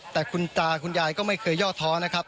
แต่คุณตาคุณยายก็ไม่เคยย่อท้อนะครับ